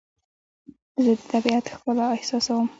زه د طبیعت ښکلا احساسوم.